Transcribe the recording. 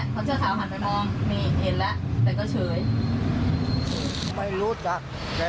ออกมาจากขนาดนะคะมีปลายแรม